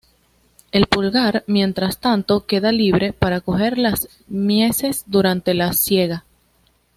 El pulgar, mientras tanto, queda libre, para coger las mieses durante la siega.